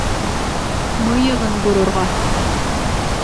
— Мыйығын борорға...